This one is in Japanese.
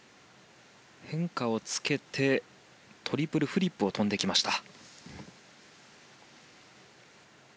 変化をつけてトリプルフリップを飛んできました。